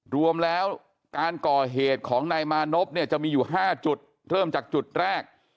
รวมแล้วการก่อเหตุของนายมานพเนี่ยจะมีอยู่๕จุดเริ่มจากจุดแรก